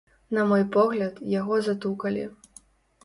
На мой погляд, яго затукалі.